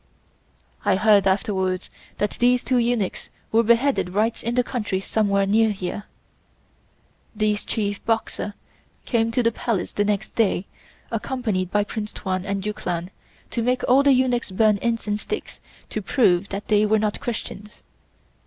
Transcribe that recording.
I heard afterwards that these two eunuchs were beheaded right in the country somewhere near here. This chief Boxer came to the Palace the next day, accompanied by Prince Tuan and Duke Lan, to make all the eunuchs burn incense sticks to prove that they were not Christians.